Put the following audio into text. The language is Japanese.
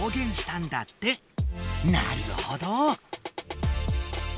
なるほど！